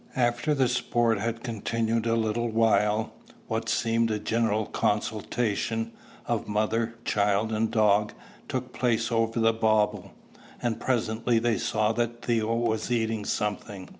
After the sport had continued a little while, what seemed a general consultation, of mother, child, and dog, took place over the bauble; and presently they saw that Theo was eating something.